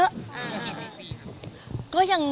ผิดที่สี่ครับ